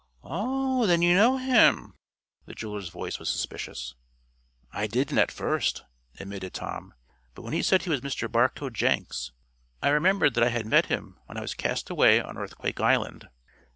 "Oh, then you know him?" The jeweler's voice was suspicious. "I didn't at first," admitted Tom. "But when he said he was Mr. Barcoe Jenks, I remembered that I had met him when I was cast away on Earthquake Island."